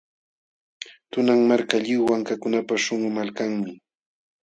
Tunan Marka, lliw wankakunapa śhunqu malkanmi.